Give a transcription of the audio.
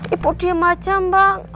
ibu diem aja mbak